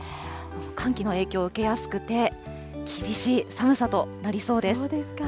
寒気の影響を受けやすくて、厳しい寒さとなりそうです。